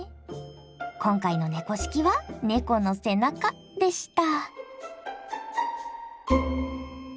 今回の「猫識」は「ネコの背中」でした。